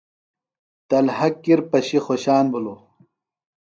طلحہ کِر پشیۡ خوشان بِھلوۡ۔